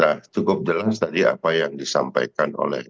nah cukup jelas tadi apa yang disampaikan oleh